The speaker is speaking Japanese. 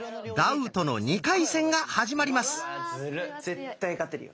絶対勝てるよ。